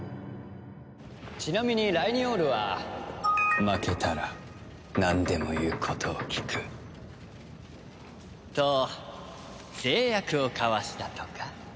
ちなみにライニオールは負けたらなんでも言うことを聞くと誓約を交わしたとか。